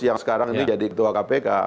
yang sekarang ini jadi ketua kpk